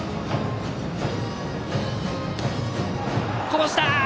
こぼした！